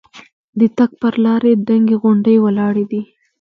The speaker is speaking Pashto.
د تګ پر لارې دنګې غونډۍ ولاړې دي.